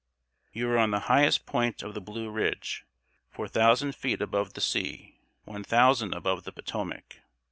] You are on the highest point of the Blue Ridge, four thousand feet above the sea, one thousand above the Potomac.